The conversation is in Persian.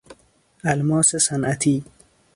الماس صنعتی